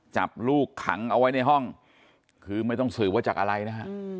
จับลูกขังเอาไว้ในห้องคือไม่ต้องสืบว่าจากอะไรนะฮะ